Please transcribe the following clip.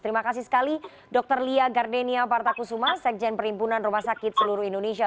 terima kasih sekali dr lia gardenia partakusuma sekjen perhimpunan rumah sakit seluruh indonesia